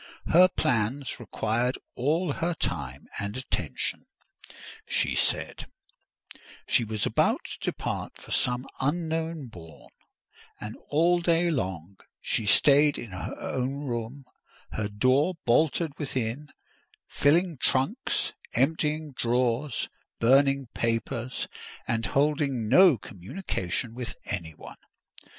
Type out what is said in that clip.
Her plans required all her time and attention, she said; she was about to depart for some unknown bourne; and all day long she stayed in her own room, her door bolted within, filling trunks, emptying drawers, burning papers, and holding no communication with any one.